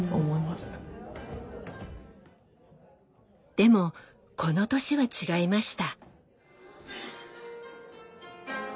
でもこの年は違いました。